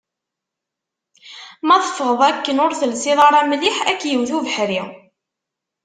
Ma teffɣeḍ akken ur telsiḍ ara mliḥ, ad k-iwet ubeḥri.